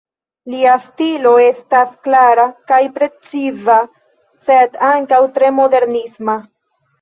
Lia stilo estas klara kaj preciza, sed ankaŭ tre modernisma.